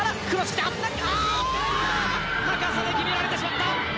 高さで決められてしまった！